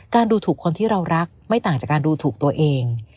ดูถูกคนที่เรารักไม่ต่างจากการดูถูกตัวเอง